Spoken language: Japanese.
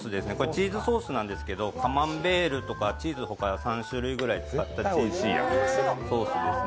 チーズソースなんですけどカマンベールとかチーズほか３種類くらいソースですね。